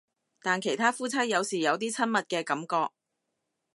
但其他夫妻有時有啲親密嘅感覺